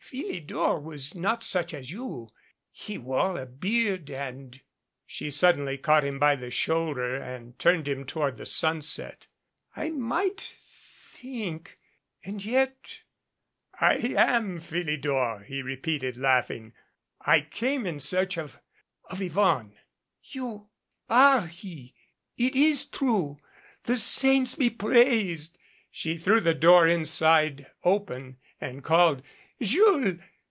"Phili dor was not such as you. He wore a beard and She suddenly caught him by the shoulder and turned him toward the sunset. "I might think and yet "I am Philidor," he repeated, laughing. "I came in search of of Yvonne." "You are he! It is true. The saints be praised!" She threw the door inside open and called : "Jules